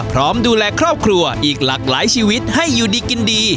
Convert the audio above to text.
พร้อมดูแลครอบครัวอีกหลากหลายชีวิตให้อยู่ดีกินดี